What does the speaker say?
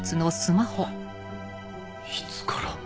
いつから？